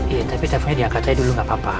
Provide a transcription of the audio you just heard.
iya tapi telfonnya dia katanya dulu gak apa apa